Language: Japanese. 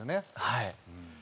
はい。